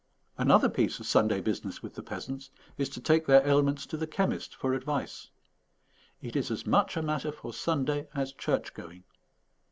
Another piece of Sunday business with the peasants is to take their ailments to the chemist for advice. It is as much a matter for Sunday as church going.